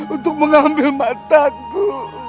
untuk mengambil mataku